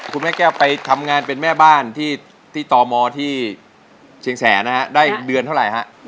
คุณแม่แก้วไปทำงานเป็นแม่บ้านที่ตมที่เชียงแสนนะฮะได้เดือนเท่าไหร่ฮะ